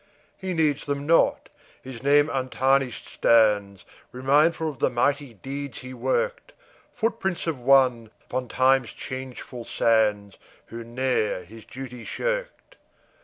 He needs them not, his name untarnished stands, Remindful of the mighty deeds he worked, Footprints of one, upon time's changeful sands, Who ne'er his duty shirked.